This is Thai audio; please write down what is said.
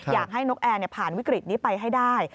นกแอร์ผ่านวิกฤตนี้ไปให้ได้